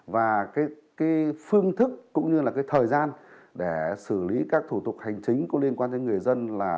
và phương thức cũng như là thời gian để xử lý các thủ tục hành chính liên quan đến người dân